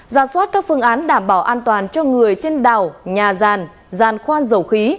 giả soát các phương án đảm bảo an toàn cho người trên đảo nhà ràn ràn khoan dầu khí